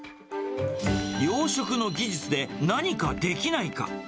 養殖の技術で何かできないか。